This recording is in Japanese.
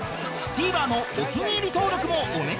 ＴＶｅｒ のお気に入り登録もお願いします！